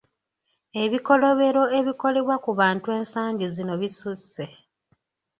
Ebikolobero ebikolebwa ku bantu ensangi zino bisusse.